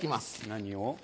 何を？